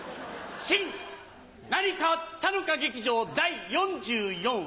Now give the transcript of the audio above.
新・何かあったのか劇場第４４話。